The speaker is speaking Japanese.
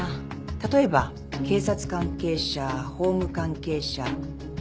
例えば警察関係者法務関係者検察官弁護士。